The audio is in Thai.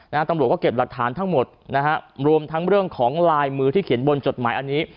ตำรวจก็เก็บหลักฐานทั้งหมดนะฮะรวมทั้งเรื่องของลายมือที่เขียนบนจดหมายอันนี้